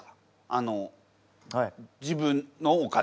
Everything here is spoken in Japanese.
あの自分のお金？